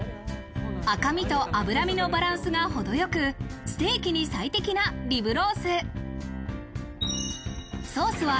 赤身と脂身のバランスが程よくステーキに最適なリブロース。